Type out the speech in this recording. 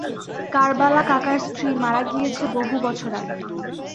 কারবালা কাকার স্ত্রী মারা গিয়েছে বহু বছর আগে।